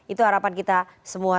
itu harapan kita semua